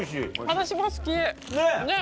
私も好きねっ。